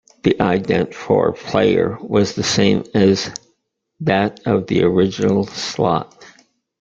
The ident for Player was the same as that of the original slot.